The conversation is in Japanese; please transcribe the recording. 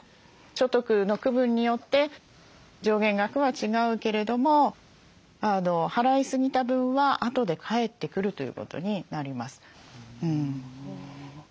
所得の区分によって上限額は違うけれども払いすぎた分はあとで返ってくるということになります。